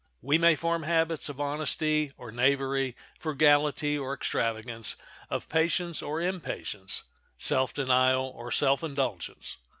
We may form habits of honesty or knavery, frugality or extravagance, of patience or impatience, self denial or self indulgence.